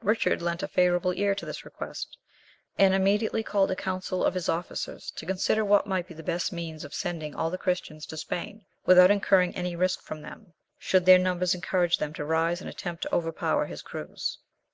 Richard lent a favourable ear to this request, and immediately called a council of his officers to consider what might be the best means of sending all the Christians to Spain, without incurring any risk from them, should their numbers encourage them to rise and attempt to overpower his crews.